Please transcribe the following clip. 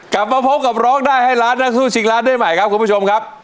กลับมาพบกับรองได้ห้ายล้านนักสู้สิ่งร้านด้วยใหม่ครับ